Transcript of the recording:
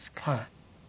はい。